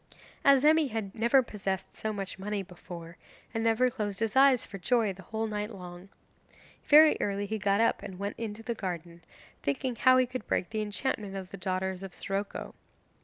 Azemi had never possessed so much money before, and never closed his eyes for joy the whole night long. Very early he got up and went into the garden, thinking how he could break the enchantment of the daughters of Siroco.